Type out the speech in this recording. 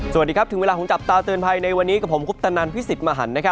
สวัสดีครับถึงเวลาของจับตาเตือนภัยในวันนี้กับผมคุปตนันพิสิทธิ์มหัน